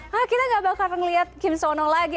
hah kita gak bakal ngeliat kim seon ho lagi